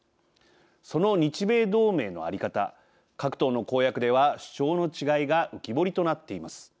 その日米同盟の在り方各党の公約では主張の違いが浮き彫りとなっています。